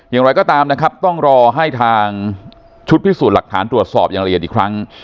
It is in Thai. อย่างไรก็ตามนะครับต้องรอให้ทางชุดพิสูจน์หลักฐานตรวจสอบอย่างละเอียดอีกครั้ง